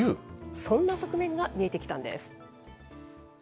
そんな側面が見えてきたんです。